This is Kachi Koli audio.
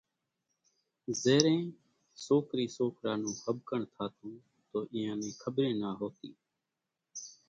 زيرين سوڪرِي سوڪرا نون ۿٻڪڻ ٿاتون تو اينيان نين کٻريئيَ نا هوتِي۔